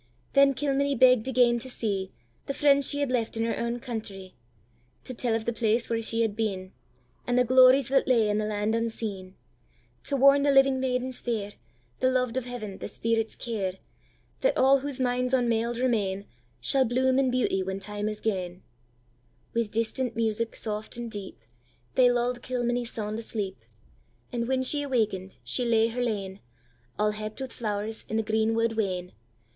Then Kilmeny begg'd again to seeThe friends she had left in her own countrye; To tell of the place where she had been, And the glories that lay in the land unseen; To warn the living maidens fair, The loved of Heaven, the spirits' care, That all whose minds unmeled remainShall bloom in beauty when time is gane. With distant music, soft and deep, They lull'd Kilmeny sound asleep; And when she awaken'd, she lay her lane, All happ'd with flowers, in the green wood wene.